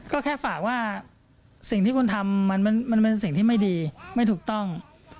ก็แค่ฝากว่าสิ่งที่คุณทำมันเป็นสิ่งที่ไม่ดีไม่ถูกต้อง